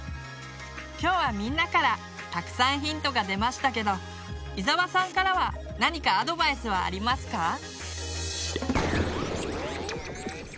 今日はみんなからたくさんヒントが出ましたけど伊沢さんからは何かアドバイスはありますか？